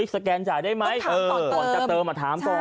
สแกนจ่ายได้ไหมก่อนจะเติมถามก่อน